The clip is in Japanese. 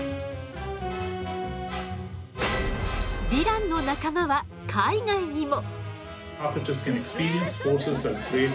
ヴィランの仲間は海外にも！